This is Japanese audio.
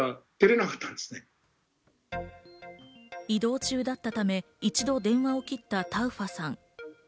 移動中だったため、一度電話を切ったタウファさん。